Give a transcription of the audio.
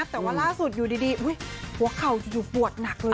แต่ว่าล่าสุดอยู่ดีหัวเข่าอยู่ปวดหนักเลย